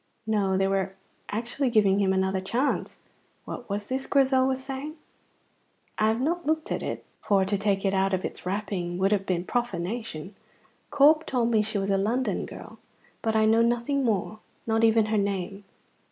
No, they were actually giving him another chance. What was this Grizel was saying? "I have not looked at it, for to take it out of its wrapping would have been profanation. Corp told me she was a London girl; but I know nothing more, not even her name.